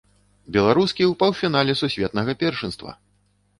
Беларускі ў паўфінале сусветнага першынства!